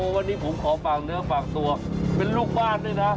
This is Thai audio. วันนี้ผมขอฝากเนื้อฝากตัวเป็นลูกบ้านด้วยนะ